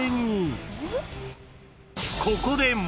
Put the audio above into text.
［ここで］